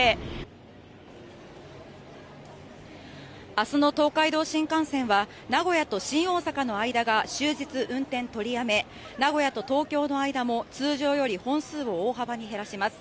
あすの東海道新幹線は名古屋と新大阪の間が終日運転を取りやめ名古屋と東京の間も通常より本数を大幅に減らします